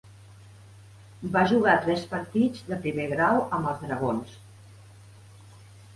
Va jugar tres partits de primer grau amb els Dragons.